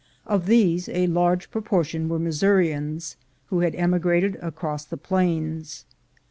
Of these a large proportion were Missourians, who had emigrated across the plains.